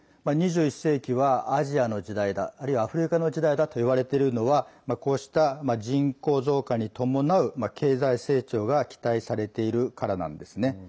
２１世紀はアジアの時代だあるいは、アフリカの時代だといわれているのはこうした人口増加に伴う経済成長が期待されているからなんですね。